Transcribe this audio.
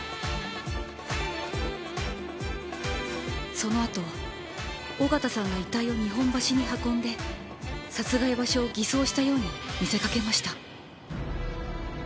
そのあと小形さんが遺体を日本橋に運んで殺害場所を偽装したように見せかけました。